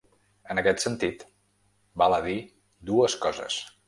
En aquest sentit, val a dir dues coses.